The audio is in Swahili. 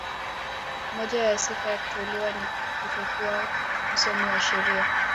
Moja ya sifa ya kuteuliwa ni kutokuwa msomi wa sheria